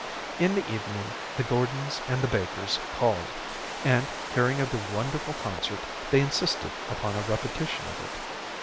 In the evening the Gordons and the Bakers called, and, hearing of the wonderful concert, they insisted upon a repetition of it.